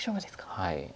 はい。